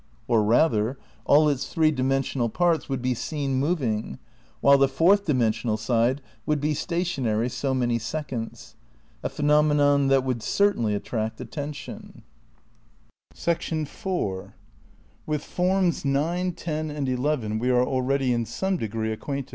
Or rather, all its three dimen sional parts would be seen moving, while the fourth dimensional side would be stationary so many seconds. A phenomenon that would certainly attract atten tion.^ " See Appendix IV, p. 318. VII RECONSTEUCTION OF IDEALISM 251 IV With forms nine, ten and eleven we are already in some degree acquainted.